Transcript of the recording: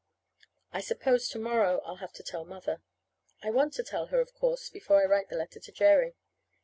I suppose to morrow I'll have to tell Mother. I want to tell her, of course, before I write the letter to Jerry.